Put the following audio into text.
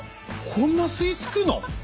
こんな吸いつくの⁉